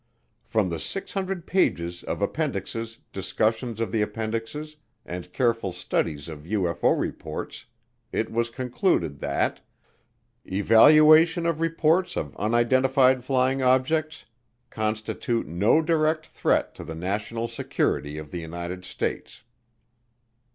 From the 600 pages of appendixes, discussions of the appendixes, and careful studies of UFO reports, it was concluded that: Evaluation of reports of unidentified flying objects constitute no direct threat to the national security of the United States.